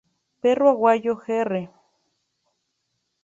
Perro Aguayo Jr.